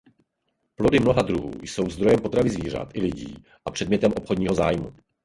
Plody mnoha druhů jsou zdrojem potravy zvířat i lidí a předmětem obchodního zájmu.